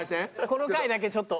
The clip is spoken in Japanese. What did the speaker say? この回だけちょっと。